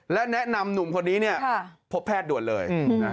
และแนะนำหนุ่มคนนี้พบแพทย์ด่วนเลย